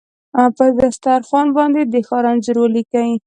په دسترخوان باندې د ښار انځور ولیکې